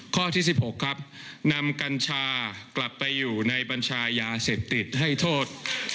ข้อที่๑๖ครับนำกัญชากลับไปอยู่ในบัญชายาเสพติดให้โทษ